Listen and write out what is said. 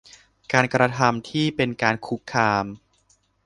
การกระทำที่เป็นการคุกคาม